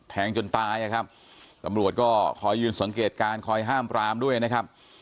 จนตายนะครับตำรวจก็คอยยืนสังเกตการณ์คอยห้ามปรามด้วยนะครับ